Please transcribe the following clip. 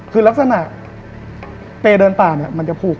คือลักษณะประเภทเดินต่างมันจะผูก